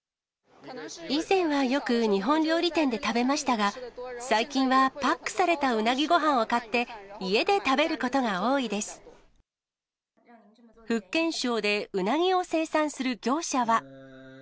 以前はよく日本料理店で食べましたが、最近はパックされたうなぎごはんを買って、家で食べる福建省でうなぎを生産する業者は。